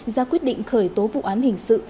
ra quyết định khởi tố vụ án hình sự